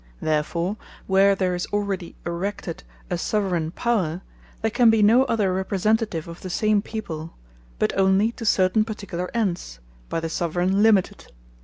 Therefore, where there is already erected a Soveraign Power, there can be no other Representative of the same people, but onely to certain particular ends, by the Soveraign limited.